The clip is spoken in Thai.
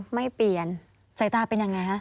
ไม่เปลี่ยนสายตาเป็นยังไงฮะ